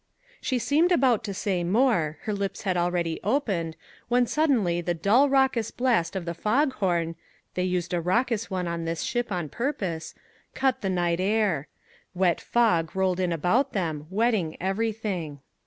She seemed about to say more, her lips had already opened, when suddenly the dull raucous blast of the foghorn (they used a raucous one on this ship on purpose) cut the night air. Wet fog rolled in about them, wetting everything.